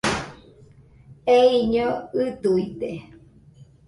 Eiño ɨduide